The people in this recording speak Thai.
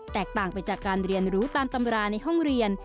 แตกต่างไปจากการเรียนรู้ตามตำราในห้องเรียน